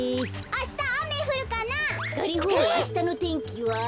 ガリホあしたのてんきは？